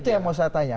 itu yang mau saya tanya